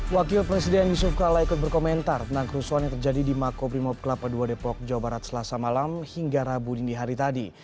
wakil presiden yusuf kala ikut berkomentar tentang kerusuhan yang terjadi di makobrimob kelapa ii depok jawa barat selasa malam hingga rabu dini hari tadi